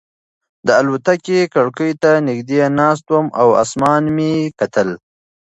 د الوتکې کړکۍ ته نږدې ناست وم او اسمان مې کتل.